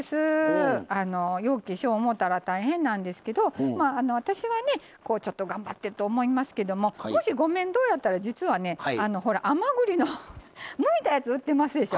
ようけしよう思ったら大変なんですけど私はちょっと頑張ってと思いますけどももし、ご面倒やったら実は、甘栗のむいたやつ売ってますでしょ？